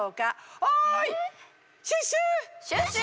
おいシュッシュ！